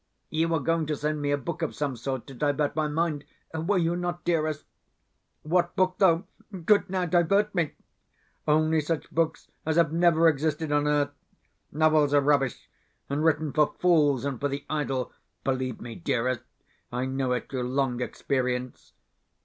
You were going to send me a book of some sort, to divert my mind were you not, dearest? What book, though, could now divert me? Only such books as have never existed on earth. Novels are rubbish, and written for fools and for the idle. Believe me, dearest, I know it through long experience.